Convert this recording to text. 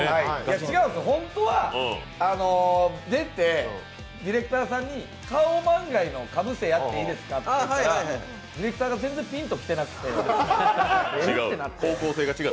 違うんですよ、本当は出て、ディレクターさんにカオマンガイのかぶせやっていいですかと言ったら、ディレクターが全然ピンときてなくて、えっ？